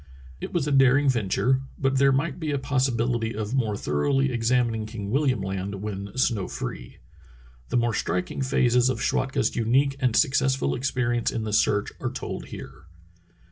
It was a daring venture, but there might be a possibility of more thoroughly examining King William Land when snow free. The more striking phases of Schwatka's unique and successful experience in the search are told here.